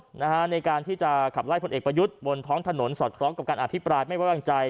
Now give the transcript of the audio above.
การนัดงานในการที่จะขับไล่ผลเอกประยุทธิ์บนพ้องถนนสอดคล้อกกับการอาภิตรายไม่แววว่างใจ